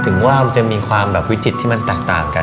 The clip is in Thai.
ถึงว่ามันจะมีความแบบวิจิตที่มันแตกต่างกัน